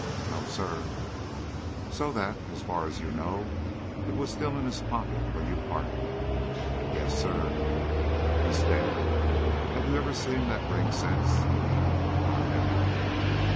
"No, sir." "So that, as far as you know, it was still in his pocket when you parted?" "Yes, sir." "Miss Dare, have you ever seen that ring since?" "I have."